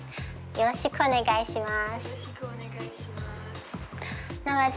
よろしくお願いします。